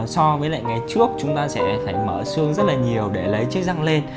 so với lại ngày trước chúng ta sẽ phải mở xương rất là nhiều để lấy chiếc răng lên